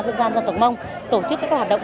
dân gian dân tộc mông tổ chức các hoạt động